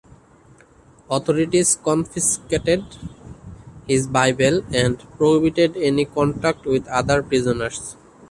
Authorities confiscated his Bible and prohibited any contact with other prisoners.